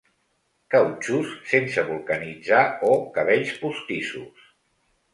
Cautxús sense vulcanitzar o cabells postissos.